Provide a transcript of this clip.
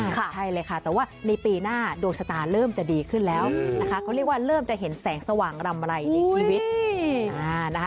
ใช่เลยค่ะแต่ว่าในปีหน้าดวงชะตาเริ่มจะดีขึ้นแล้วนะคะเขาเรียกว่าเริ่มจะเห็นแสงสว่างรำไรในชีวิต